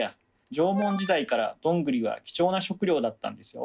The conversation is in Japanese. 縄文時代からどんぐりは貴重な食料だったんですよ。